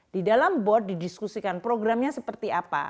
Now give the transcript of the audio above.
di dalam board didiskusikan programnya seperti apa